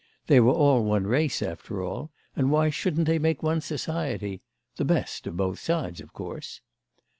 They were all one race, after all; and why shouldn't they make one society—the best of both sides, of course?